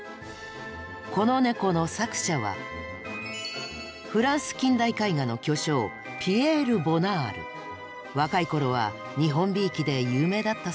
このネコの作者はフランス近代絵画の巨匠若い頃は日本びいきで有名だったそうですよ。